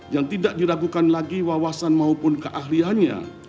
yang tidak diragukan lagi wawasan maupun keahliannya